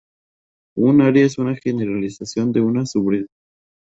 Un área es una generalización de una subred.